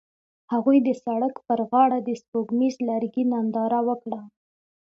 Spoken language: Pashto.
هغوی د سړک پر غاړه د سپوږمیز لرګی ننداره وکړه.